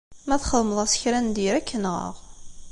Ma txedmeḍ-as kra n diri, ad k-nɣeɣ.